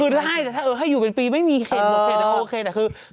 คือได้แต่ถ้าอยู่เป็นปีไม่มีเขตหมดเขตด้วยไม่โอเคแต่คือ